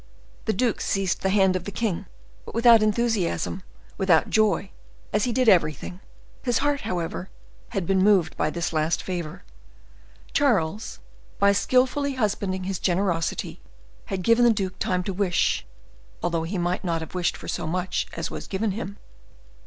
The duke seized the hand of the king, but without enthusiasm, without joy, as he did everything. His heart, however, had been moved by this last favor. Charles, by skillfully husbanding his generosity, had given the duke time to wish, although he might not have wished for so much as was given him.